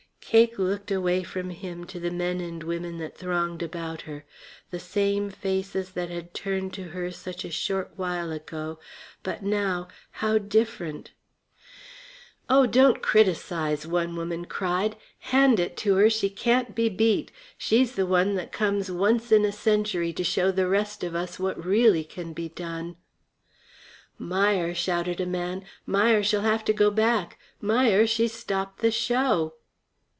Cake looked away from him to the men and women that thronged about her. The same faces that had turned to her such a short while ago; but now, how different! "Oh, don't criticise," one woman cried. "Hand it to her! She can't be beat. She's the one that comes once in a century to show the rest of us what really can be done." "Meier," shouted a man. "Meier she'll have to go back, Meier; she's stopped the show."